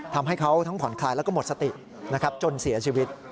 ทำให้เขาทั้งผ่อนคลายแล้วก็หมดสตินะครับจนเสียชีวิต